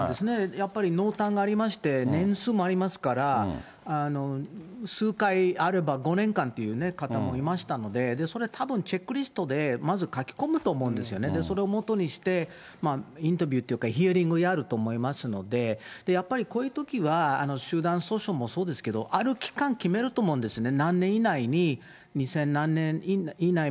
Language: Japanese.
やっぱり濃淡がありまして、年数もありますから、数回あれば、５年間っていう方もいましたので、それたぶんチェックリストでまず書き込むと思うんですよね、それを基にして、インタビューっていうかヒアリングやると思いますので、やっぱりこういうときは、集団訴訟もそうですけど、ある期間決めると思うんですね。